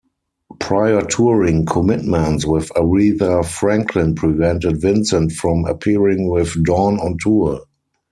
Prior touring commitments with Aretha Franklin prevented Vincent from appearing with Dawn on tour.